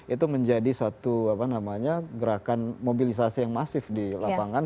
itu menjadi satu gerakan mobilisasi yang masif di lapangan